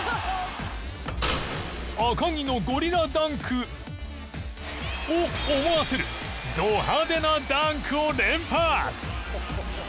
赤木のゴリラダンクを思わせるド派手なダンクを連発！